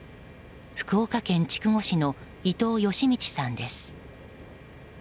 福岡県筑後市の伊藤嘉通さんです。